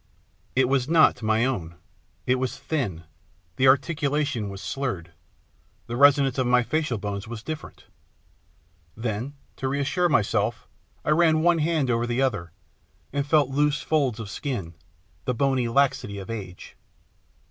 It was not my own, it was thin, the articulation was slurred, the resonance of my facial bones was different. Then, to reassure myself I ran one hand over the other, and felt loose folds of skin, the bony laxity of age.